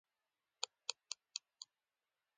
دا جنګي تابلیتونه د جهاد او مقاومت په نامه داخل شوي وو.